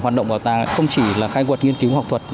nó cũng có rất nhiều khó khăn